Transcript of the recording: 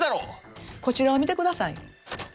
こちらを見てください。